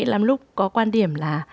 làm lúc có quan điểm là